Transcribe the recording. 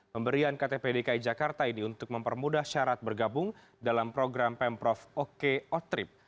pemberian ktp dki jakarta ini untuk mempermudah syarat bergabung dalam program pemprov oke otrip